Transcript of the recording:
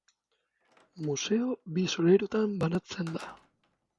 Museo bi solairutan banatzen da.